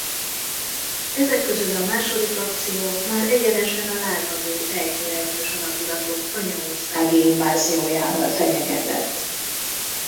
Ezek közül a második akció már egyenesen a lázadó ejtőernyős alakulatok anyaországi inváziójával fenyegetett.